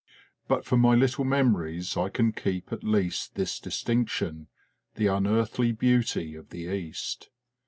But for my little memories I can keep at least this distinction the unearthly beauty of the East.